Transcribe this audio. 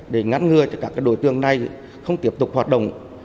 để ngăn ngừa cho các đối tượng này không tiếp tục hoạt động